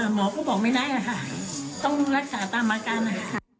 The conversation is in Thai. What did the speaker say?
หมอพูดบอกไม่ได้ค่ะต้องรักษาตามมากันค่ะ